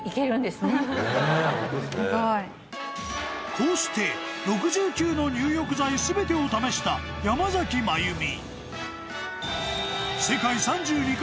［こうして６９の入浴剤全てを試した山崎まゆみ］